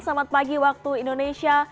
selamat pagi waktu indonesia